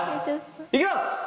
行きます！